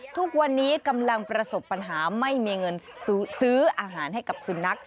ทุกวันนี้กำลังประสบปัญหาไม่มีเงินซื้ออาหารให้กับสุนัข